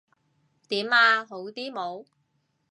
點呀？好啲冇？